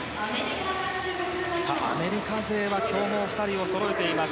アメリカ勢は強豪２人をそろえています。